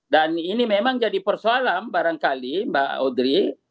dan ini memang jadi persoalan barangkali mbak audrey